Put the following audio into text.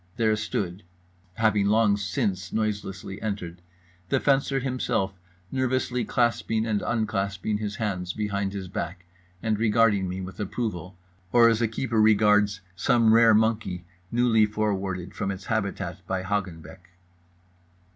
There stood (having long since noiselessly entered) The Fencer Himself, nervously clasping and unclasping his hands behind his back and regarding me with approval, or as a keeper regards some rare monkey newly forwarded from its habitat by Hagenbeck.